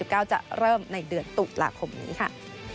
ก็จะเริ่มในเดือนตุลาคมนี้ค่ะ